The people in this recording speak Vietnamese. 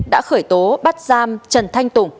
đã khởi tố bắt giam trần thanh tùng